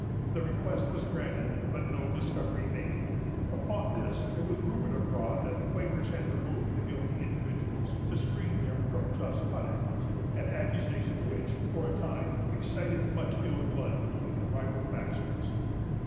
The request was granted, but no discovery made. Upon this, it was rumored abroad that the Quakers had removed the guilty individuals to screen them from just punishment; an accusation which, for a time, excited much ill blood between the rival factions.